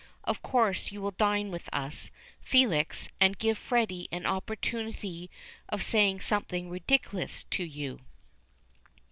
Of course you will dine with us, Felix, and give Freddy an opportunity of saying something ridiculous to you."